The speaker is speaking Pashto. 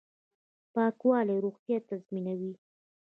پاکوالی روغتیا تضمینوي